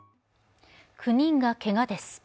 ９人がけがです。